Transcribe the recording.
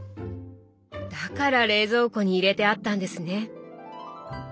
だから冷蔵庫に入れてあったんですね！